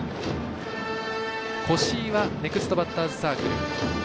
越井はネクストバッターズサークル。